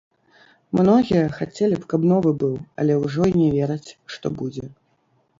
Многія, хацелі б, каб новы быў, але ўжо і не вераць, што будзе.